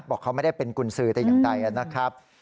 บอกเขาไม่ได้เป็นกุญสือแต่อย่างใดนะครับ